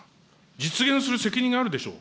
実現する責任があるでしょう。